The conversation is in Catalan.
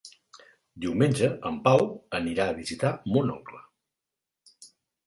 Diumenge en Pau anirà a visitar mon oncle.